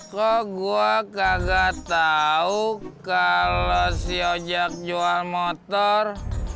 kok gua kagak tau kalau si ojak jual motor